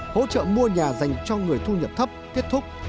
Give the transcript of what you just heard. hỗ trợ mua nhà dành cho người thu nhập thấp kết thúc